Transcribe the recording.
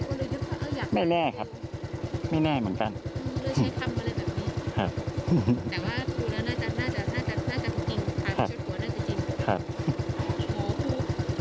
แต่ว่าคุณน่าจะถูกจริงภายในช่วงตัวน่าจะจริง